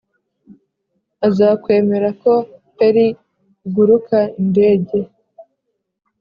azakwemera ko peri iguruka indege